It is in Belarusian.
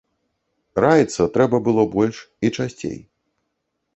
Раіцца трэба было больш і часцей.